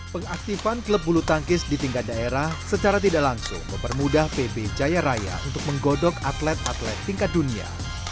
pengaktifan klub bulu tangkis di tingkat daerah secara tidak langsung mempermudah pb jaya raya untuk menggodok atlet atlet tingkat dunia